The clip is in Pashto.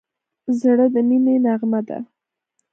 زړه د مینې نغمه ده.